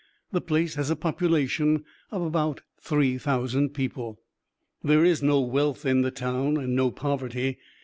The place has a population of about three thousand people. There is no wealth in the town and no poverty.